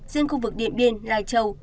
riêng khu vực điện biên lai châu